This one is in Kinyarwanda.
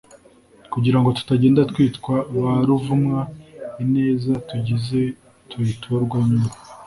kugira ngo tutagenda twitwa ba ruvumwa ineza tugize tuyiturwa nyuma